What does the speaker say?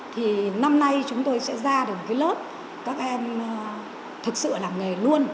thì năm nay chúng tôi sẽ ra được một cái lớp các em thực sự là nghề luôn